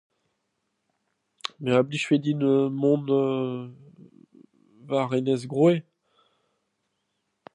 Me a blijfe din euu mont euu 'barzh Enez-Groe.